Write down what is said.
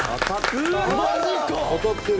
「マジか！？」